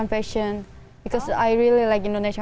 karena saya sangat menyukai pakaian indonesia